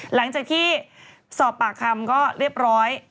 หลังจากที่สอบปากคำก็เรียบร้อย